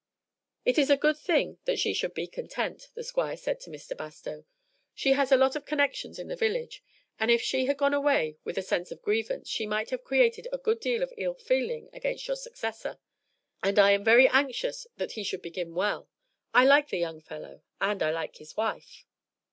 "It is a good thing that she should be content," the Squire said to Mr. Bastow. "She has a lot of connections in the village, and if she had gone away with a sense of grievance she might have created a good deal of ill feeling against your successor, and I am very anxious that he should begin well. I like the young fellow, and I like his wife."